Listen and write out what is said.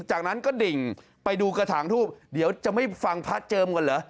จากนั้นก็ดิ่งไปดูกระถางทูบเดี๋ยวจะไม่ฟังพระเจิมก่อนเหรอ